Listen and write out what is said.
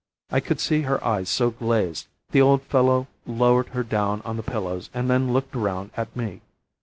I could see her eyes go glazed; the old fellow lowered her down on the pillows and then looked round at me.